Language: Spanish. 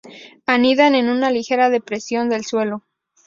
Anidan en una ligera depresión del suelo.